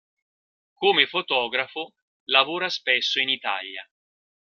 Come fotografo, lavora spesso in Italia.